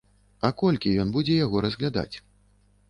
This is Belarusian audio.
А колькі ён будзе яго разглядаць?